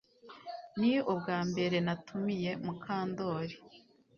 Ni ubwambere natumiye Mukandoli